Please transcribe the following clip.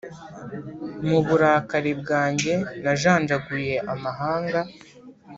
mu burakari bwanjye najanjaguye amahanga,